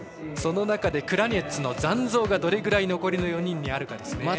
その中でクラニェツの残像がどれぐらい残りの４人にあるかですね。